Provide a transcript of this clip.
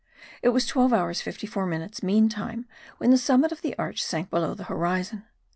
It was 12 hours 54 minutes (mean time) when the summit of the arch sank below the horizon.